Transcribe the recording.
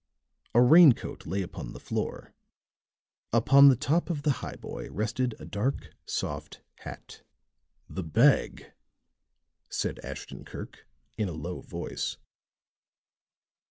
A raincoat lay upon the floor; upon the top of the highboy rested a dark, soft hat. "The bag!" said Ashton Kirk in a low voice.